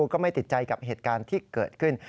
ก็ไม่ติดใจกับเหตุการณ์ที่เกิดขึ้น